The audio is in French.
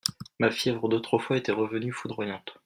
Ma fièvre d'autrefois était revenue foudroyante.